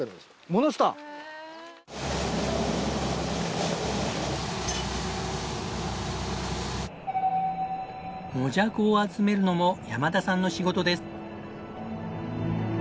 モジャコを集めるのも山田さんの仕事です。